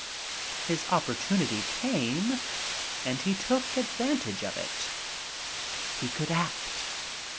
His opportunity came and he took advantage of it. He could act.